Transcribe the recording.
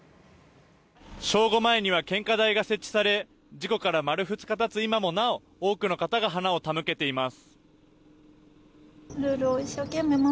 正午前には献花台が設置され事故から丸２日経つ今も多くの方が花を手向けています。